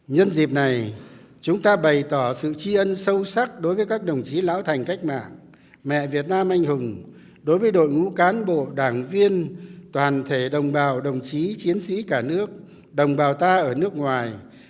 nhân dịp này chúng ta bày tỏ sự chi ân sâu sắc đối với các đồng chí lão thành cách mạng mẹ việt nam anh hùng đối với đội ngũ cán bộ đảng viên toàn thể đồng bào đồng chí chiến sĩ cả nước đồng bào ta ở nước ngoài